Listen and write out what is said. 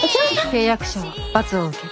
契約者は罰を受ける。